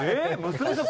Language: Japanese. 娘さん